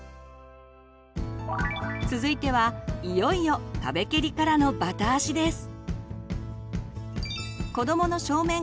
続いてはいよいよ壁けりからのバタ足です。